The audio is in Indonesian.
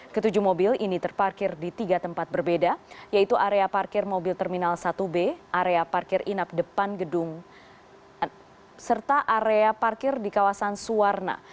ketujuh mobil ini terparkir di tiga tempat berbeda yaitu area parkir mobil terminal satu b area parkir inap depan gedung serta area parkir di kawasan suwarna